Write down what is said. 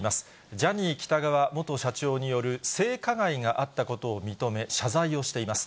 ジャニー喜多川元社長による性加害があったことを認め、謝罪をしています。